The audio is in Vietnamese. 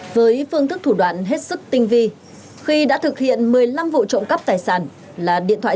với phương thức thủ đoạn hết sức tinh vi khi đã thực hiện một mươi năm vụ trộm cắp tài sản là điện thoại